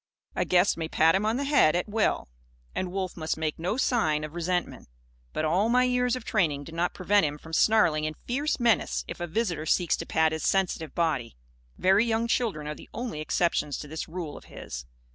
A guest may pat him on the head, at will; and Wolf must make no sign of resentment. But all my years of training do not prevent him from snarling in fierce menace if a visitor seeks to pat his sensitive body. Very young children are the only exceptions to this rule of his.